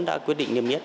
đã quyết định niêm yết